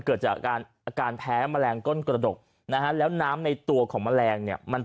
เกิดจากอาการอาการแพ้แมลงก้นกระดกนะฮะแล้วน้ำในตัวของแมลงเนี่ยมัน